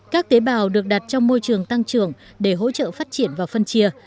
các tế bào được đặt trong môi trường tăng trưởng để hỗ trợ phát triển và phân chia